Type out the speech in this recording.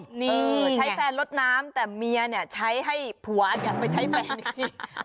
ใช้แฟนลดน้ำแต่เมียเนี่ยใช้ให้ผัวเนี่ยไปใช้แฟนอีกที